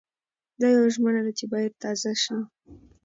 دا يوه ژمنه ده چې بايد تازه شي.